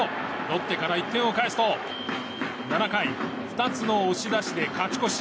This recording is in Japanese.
ロッテから１点を返すと７回、２つの押し出しで勝ち越し。